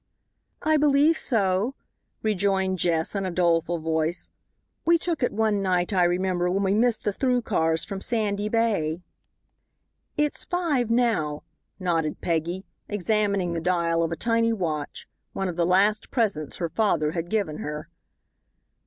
"I believe so," rejoined Jess, in a doleful voice; "we took it one night, I remember, when we missed the through cars from Sandy Bay." "It's five now," nodded Peggy, examining the dial of a tiny watch, one of the last presents her father had given her.